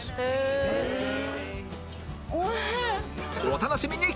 お楽しみに！